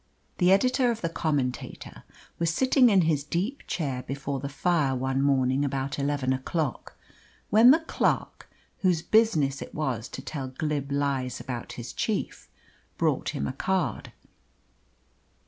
The editor of the Commentator was sitting in his deep chair before the fire one morning about eleven o'clock, when the clerk, whose business it was to tell glib lies about his chief, brought him a card.